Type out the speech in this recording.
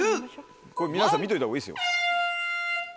これ皆さん見といた方がいいですよ。